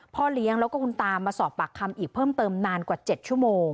พ่อเลี้ยงแล้วก็คุณตามาสอบปากคำอีกเพิ่มเติมนานกว่า๗ชั่วโมง